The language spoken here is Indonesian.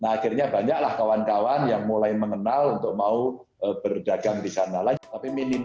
nah akhirnya banyaklah kawan kawan yang mulai mengenal untuk mau berdagang di sana lagi tapi minim